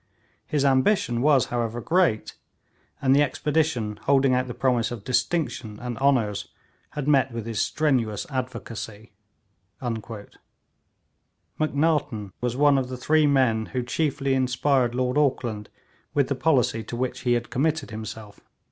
His ambition was, however, great, and the expedition, holding out the promise of distinction and honours, had met with his strenuous advocacy.' Macnaghten was one of the three men who chiefly inspired Lord Auckland with the policy to which he had committed himself.